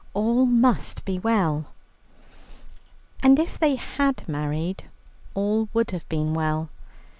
All must be well. And if they had married all would have been well.